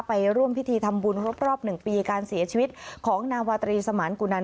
ไปร่วมพิธีทำบุญครบรอบ๑ปีการเสียชีวิตของนาวาตรีสมานกุนัน